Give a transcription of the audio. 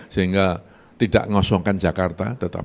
sehingga tidak ngosongkan jakarta